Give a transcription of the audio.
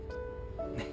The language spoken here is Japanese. ねっ？